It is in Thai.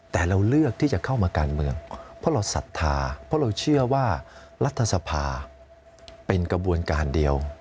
แต่เราเลือกที่จะเข้ามาการเมืองเพราะเราศรัทธาเพราะเราเชื่อว่ารัฐสภาเป็นกระบวนการเดียว